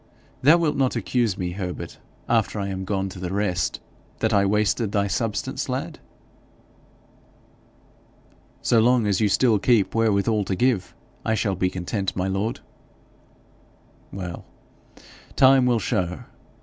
Thou wilt not accuse me, Herbert, after I am gone to the rest, that I wasted thy substance, lad?' 'So long as you still keep wherewithal to give, I shall be content, my lord.' 'Well, time will show.